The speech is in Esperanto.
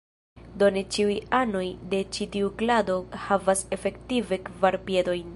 Do ne ĉiuj anoj de ĉi tiu klado havas efektive kvar piedojn.